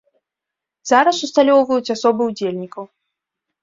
Зараз усталёўваюць асобы удзельнікаў.